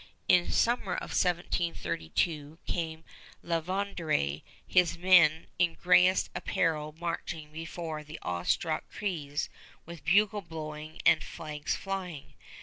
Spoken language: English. In summer of 1732 came La Vérendrye, his men in gayest apparel marching before the awe struck Crees with bugle blowing and flags flying.